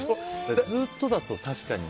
ずっとだと確かにね。